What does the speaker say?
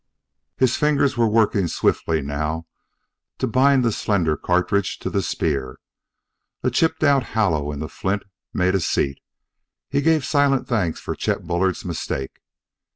His fingers were working swiftly now to bind the slender cartridge to the spear. A chipped out hollow in the flint made a seat. He gave silent thanks for Chet Bullard's mistake.